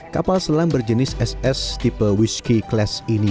kapal selam berjenis ss tipe wsky class ini